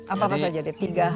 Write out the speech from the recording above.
apa saja deh tiga hal